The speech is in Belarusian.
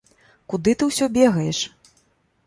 Куды ты ўсё бегаеш?